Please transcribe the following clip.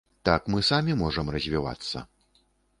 Так мы самі можам развівацца.